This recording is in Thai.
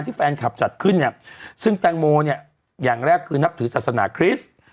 แฟนคลับจัดขึ้นเนี่ยซึ่งแตงโมเนี่ยอย่างแรกคือนับถือศาสนาคริสต์